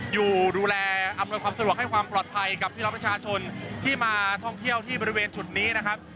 อยู่ดูแลอำนวยความสะดวกให้ความปลอดภัยกับพี่น้องประชาชนที่มาท่องเที่ยวที่บริเวณจุดนี้นะครับ